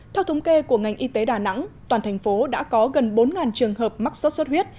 theo thống kê của ngành y tế đà nẵng toàn thành phố đã có gần bốn trường hợp mắc sốt xuất huyết